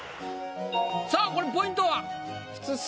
さぁこれポイントは？